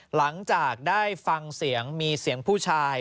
หลังจากได้ฟังเสียงมีเสียงผู้ชาย